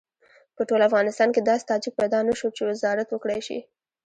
په ټول افغانستان کې داسې تاجک پیدا نه شو چې وزارت وکړای شي.